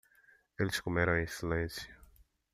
Eles comeram em silêncio.